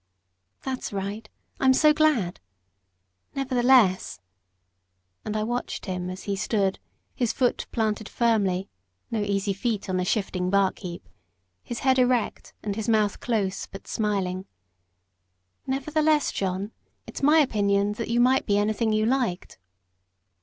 "That's right; I'm so glad. Nevertheless" and I watched him as he stood, his foot planted firmly, no easy feat on the shifting bark heap, his head erect, and his mouth close, but smiling "Nevertheless, John, it's my opinion that you might be anything you liked."